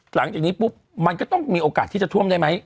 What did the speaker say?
หลังจากนี้ปุ๊บมันก็ต้องมีโอกาสที่จะท่วมได้ไหม